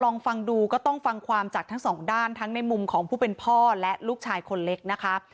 ลองฟังดูก็ต้องฟังความจากทั้งสองด้านทั้งในมุมของผู้เป็นพ่อและลูกชายคนเล็กนะคะ